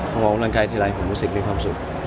พลังงานร่างกายที่เทียลายด์ผมรู้สึกว่ามีความสุข